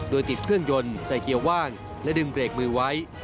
โดยติดเครื่องยนต์ใส่เกียร์ว่างและดึงเบรกมือไว้